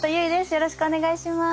よろしくお願いします。